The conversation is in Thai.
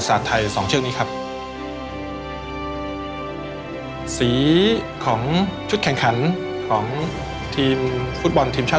ชุดย่าวที่เราตั้งชื่อให้เนี่ยก็คือชัยานุภาพก็เป็นชื่อของเรานะครับ